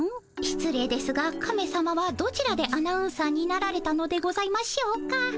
しつ礼ですがカメさまはどちらでアナウンサーになられたのでございましょうか？